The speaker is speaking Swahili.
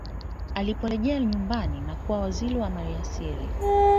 aliporejea nyumbani na kuwa waziri wa mali asili